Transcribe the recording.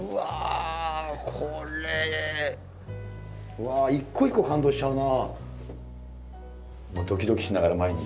うわ一個一個感動しちゃうな。